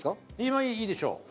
まあいいでしょう。